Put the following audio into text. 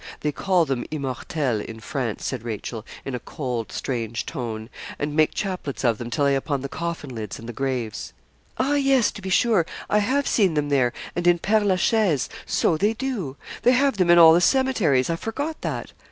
'They call them immortelles in France,' said Rachel, in a cold strange tone, 'and make chaplets of them to lay upon the coffin lids and the graves.' 'Ah, yes, to be sure, I have seen them there and in Père la Chaise so they do; they have them in all the cemeteries I forgot that.